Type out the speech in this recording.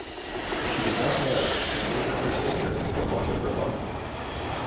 She did not marry and lived with her sister for much of her life.